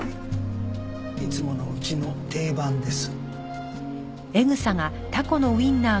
いつものうちの定番です。